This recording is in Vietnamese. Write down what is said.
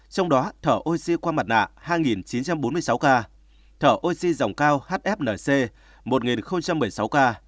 trong đó thở oxy qua mặt nạ hai chín trăm bốn mươi sáu ca thở oxy dòng cao hfnc một một mươi sáu ca